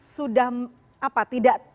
sudah apa tidak